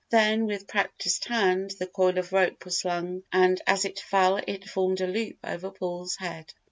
Then, with practised hand the coil of rope was flung and as it fell it formed a loop over Paul's head.